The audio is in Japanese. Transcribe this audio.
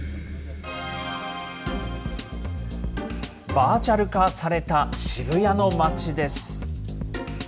バーチャル化された渋谷の街です。